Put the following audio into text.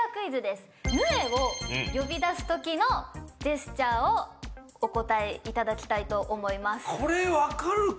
「鵺」を呼び出す時のジェスチャーをお答えいただきたいと思います。